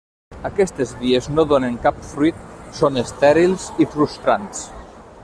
Aquestes vies no donen cap fruit, són estèrils i frustrants.